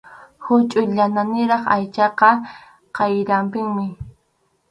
Huchʼuy yananiraq aychaqa k’ayrapinmi.